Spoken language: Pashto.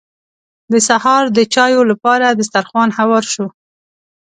د سهار د چايو لپاره دسترخوان هوار شو.